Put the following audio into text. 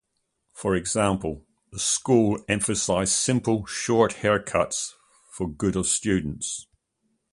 For example, the school emphasized simple short haircuts for good of students.